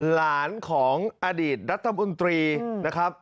หลานของอดีตรัฐมนตรีนะครับ